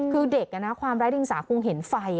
คือเด็กความร้ายดิงสาคุงเห็นไฟอ่ะ